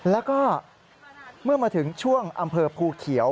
แล้วก็เมื่อมาถึงช่วงอำเภอภูเขียว